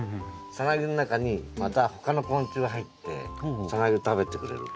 サナギの中にまた他の昆虫が入ってサナギを食べてくれる。